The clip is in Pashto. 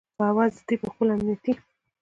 په عوض د دې چې په خپلو امنیتي